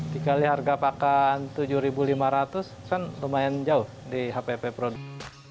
dikali harga pakan rp tujuh lima ratus kan lumayan jauh di hpp produk